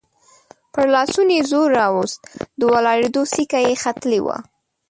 پر لاسونو يې زور راووست، د ولاړېدو سېکه يې ختلې وه.